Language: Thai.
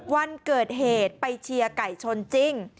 วันเกิดเหตุไปเชียร์ไก่ชนจริง